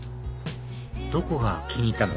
どこが気に入ったの？